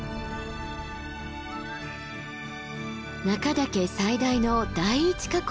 中岳最大の第一火口。